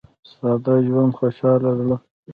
• ساده ژوند، خوشاله زړه.